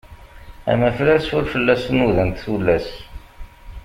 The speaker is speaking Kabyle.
Amaflas ur fell-as nudant tullas.